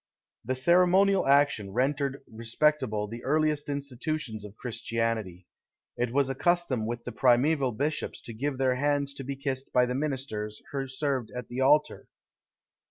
The ceremonial action rendered respectable the earliest institutions of Christianity. It was a custom with the primÃḊval bishops to give their hands to be kissed by the ministers who served at the altar.